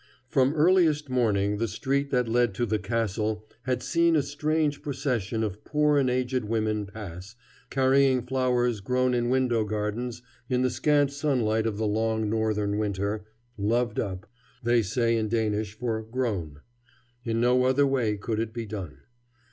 From earliest morning the street that led to "the Castle" had seen a strange procession of poor and aged women pass, carrying flowers grown in window gardens in the scant sunlight of the long Northern winter "loved up," they say in Danish for "grown"; in no other way could it be done.